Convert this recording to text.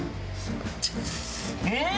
うん！